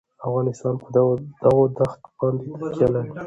افغانستان په دغو دښتو باندې تکیه لري.